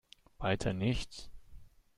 Weiter nichts?